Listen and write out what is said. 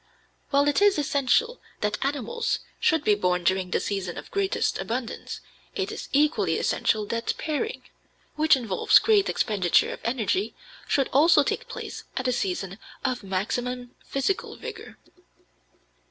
While it is essential that animals should be born during the season of greatest abundance, it is equally essential that pairing, which involves great expenditure of energy, should also take place at a season of maximum physical vigor.